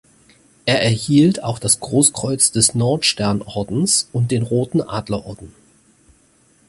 Er erhielt auch das Großkreuz des Nordsternordens und den Roten Adlerorden.